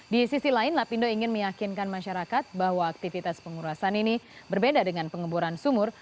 di sisi lain lapindo ingin meyakinkan masyarakat bahwa aktivitas pengurasan ini berbeda dengan pengeboran sumur